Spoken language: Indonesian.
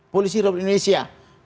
polisi robben indonesia